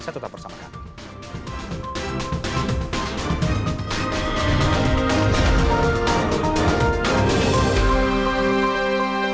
saya tetap bersama sama